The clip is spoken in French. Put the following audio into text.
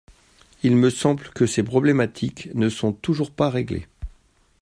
Il me semble que ces problématiques ne sont toujours pas réglées.